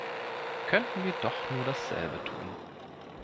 Könnten wir doch nur dasselbe tun!